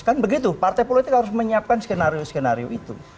kan begitu partai politik harus menyiapkan skenario skenario itu